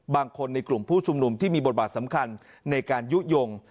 ในกลุ่มผู้ชุมนุมที่มีบทบาทสำคัญในการยุโยง